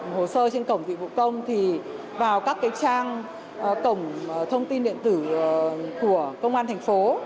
hồ sơ trên cổng dịch vụ công thì vào các trang cổng thông tin điện tử của công an thành phố